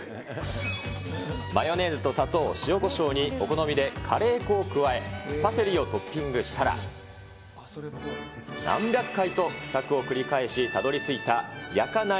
マヨネーズと砂糖、塩こしょうに、お好みでカレー粉を加え、パセリをトッピングしたら、何百回と試作を繰り返したたどりついた、焼かない！